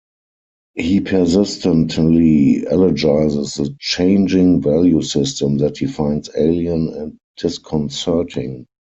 He persistently elegizes the changing value system that he finds alien and disconcerting.